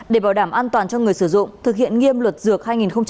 để bảo đảm an toàn cho người sử dụng thực hiện nghiêm luật dược hai nghìn một mươi chín